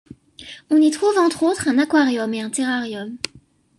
On y trouve entre autres un aquarium et un terrarium.